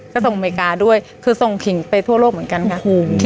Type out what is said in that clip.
ก็ส่งอเมริกาด้วยคือส่งผิงไปทั่วโลกเหมือนกันค่ะ